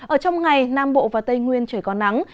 ở trong ngày nam bộ và tây nguyên trời có nắng